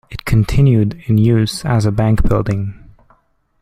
It continued in use as a bank building.